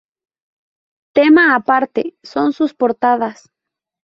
Tema aparte son sus portadas.